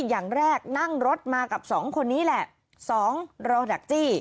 อย่างแรกนั่งรถมากับสองคนนี้แหละ๒รอดักจี้